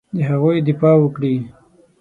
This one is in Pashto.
د هغوی دفاع وکړي.